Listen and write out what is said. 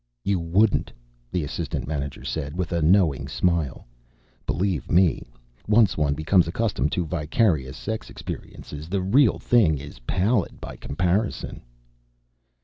"You wouldn't," the assistant manager said, with a knowing smile. "Believe me, once one becomes accustomed to vicarious sex experiences, the real thing is pallid by comparison."